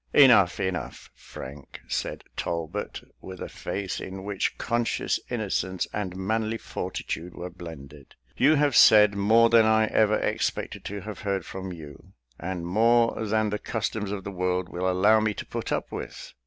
"Enough, enough, Frank," said Talbot, with a face, in which conscious innocence and manly fortitude were blended; "you have said more than I ever expected to have heard from you, and more than the customs of the world will allow me to put up with.